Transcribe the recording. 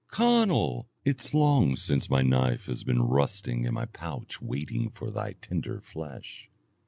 Conall, it's long since my knife has been rusting in my pouch waiting for thy tender flesh.'